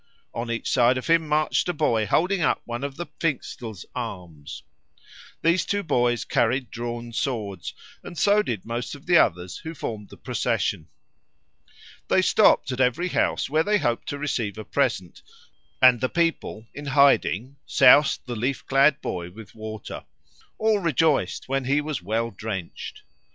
On each side of him marched a boy holding up one of the Pfingstl's arms. These two boys carried drawn swords, and so did most of the others who formed the procession. They stopped at every house where they hoped to receive a present; and the people, in hiding, soused the leaf clad boy with water. All rejoiced when he was well drenched.